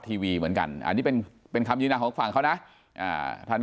ทีวีเหมือนกันอันนี้เป็นเป็นคำยืนยันของฝั่งเขานะท่าน